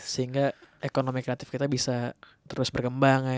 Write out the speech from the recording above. sehingga ekonomi kreatif kita bisa terus berkembang